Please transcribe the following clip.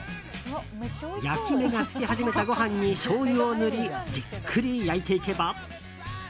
焼き目が付き始めたご飯にしょうゆを塗りじっくり焼いていけば。